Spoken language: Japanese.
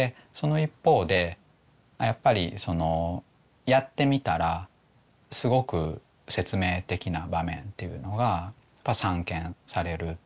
その一方でやっぱりやってみたらすごく説明的な場面っていうのがやっぱ散見される。